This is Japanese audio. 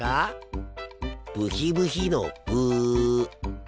ブヒブヒのブ。